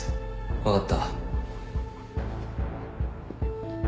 分かった。